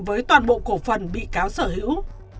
với toàn bộ cổ phần bị cáo sở hữu